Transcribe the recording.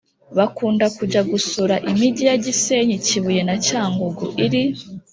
bakunda kujya gusura imigi ya gisenyi, kibuye na cyangugu iri